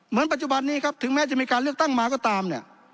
เหมือนปัจจุบันนี้ถึงแม้จะมีการเลือกตั้งมาก็ตาม